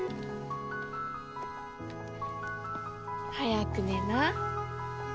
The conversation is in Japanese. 早く寝な。